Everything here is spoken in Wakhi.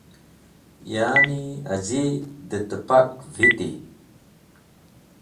Ya’ni, az̃i dẽ tẽpak viti.